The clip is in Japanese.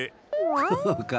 こうか？